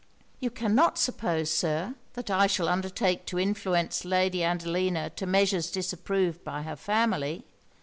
'You cannot suppose, Sir, that I shall undertake to influence Lady Adelina to measures disapproved by her family.